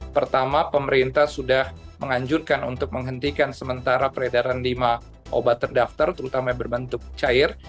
pertama pemerintah sudah menganjurkan untuk menghentikan sementara peredaran lima obat terdaftar terutama berbentuk cair